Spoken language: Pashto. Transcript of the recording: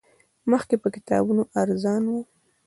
مخکې به کتابونه ارزان وو